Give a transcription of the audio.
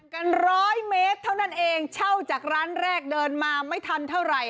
กันร้อยเมตรเท่านั้นเองเช่าจากร้านแรกเดินมาไม่ทันเท่าไหร่